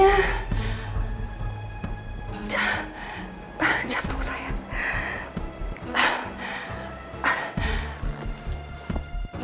anda apa enggak kasihan